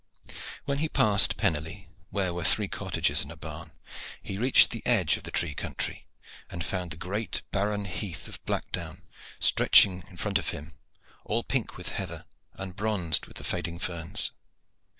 When he passed Penerley, where were three cottages and a barn, he reached the edge of the tree country, and found the great barren heath of Blackdown stretching in front of him, all pink with heather and bronzed with the fading ferns.